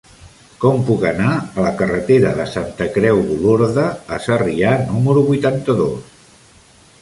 Com puc anar a la carretera de Santa Creu d'Olorda a Sarrià número vuitanta-dos?